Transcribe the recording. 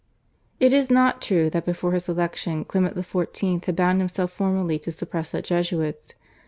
It is not true that before his election Clement XIV. had bound himself formally to suppress the Jesuits.